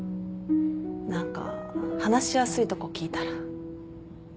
何か話しやすいとこ聞いたら。